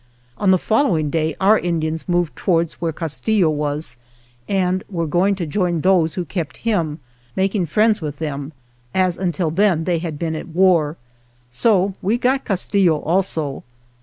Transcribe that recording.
On the following day our Indians moved towards where Castillo was and were going to join those who kept him, making friends with them, as until then they had been, at war. So we got Castillo also.